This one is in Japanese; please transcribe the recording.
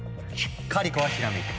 カリコはひらめいた！